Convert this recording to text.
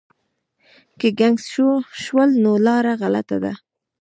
که ګنګس شول نو لاره غلطه ده.